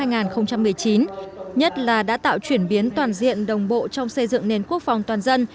nhất là đã tạo chuyển biến toàn diện đồng bộ trong xây dựng nền quốc phòng toàn dân